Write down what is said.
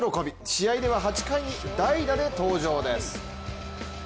試合には８回に代打で登場。